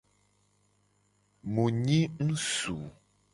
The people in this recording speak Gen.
Mu nyi ngsu.